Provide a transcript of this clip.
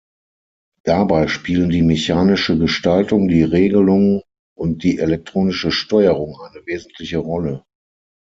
Dabei spielen die mechanische Gestaltung, die Regelung und die elektronische Steuerung eine wesentliche Rolle.